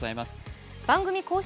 番組公式